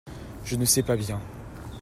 Je ne sais pas bien.